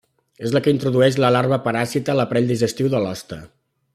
És la que introdueix la larva paràsita en l'aparell digestiu de l'hoste.